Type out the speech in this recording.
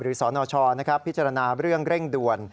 สนชพิจารณาเรื่องเร่งด่วน